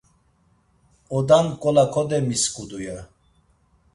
Oda nǩola kodemisǩudu ya.